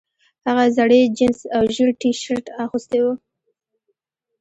هغه زړې جینس او ژیړ ټي شرټ اغوستی و